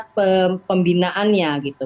kualitas pembinaannya gitu